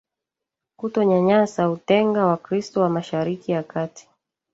kutonyanyasa utenga wakristo wa mashariki ya kati